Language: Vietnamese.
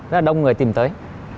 rất là đông người tìm tới